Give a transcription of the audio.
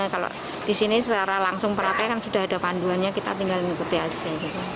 kalau disini secara langsung perlapian kan sudah ada panduannya kita tinggal mengikuti aja